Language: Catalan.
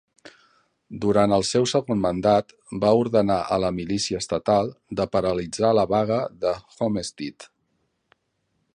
Durant el seu segon mandat, va ordenar a la milícia estatal de paralitzar la vaga de Homestead.